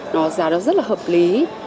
nó giá đó rất là hợp lý